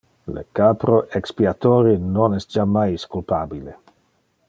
Le capro expiatori non es jammais culpabile.